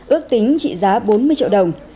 ước tính trị giá bốn mươi triệu đồng